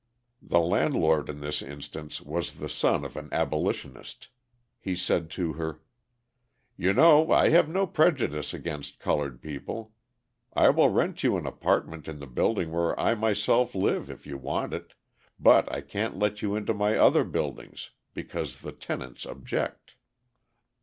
The landlord in this instance was the son of an abolitionist. He said to her: "You know I have no prejudice against coloured people. I will rent you an apartment in the building where I myself live if you want it, but I can't let you into my other buildings, because the tenants object."